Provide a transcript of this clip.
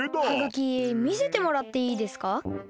ハガキみせてもらっていいですか？